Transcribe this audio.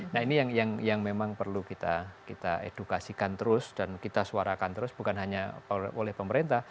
nah ini yang memang perlu kita edukasikan terus dan kita suarakan terus bukan hanya oleh pemerintah